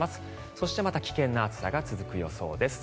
そしてまた危険な暑さも続く予想です。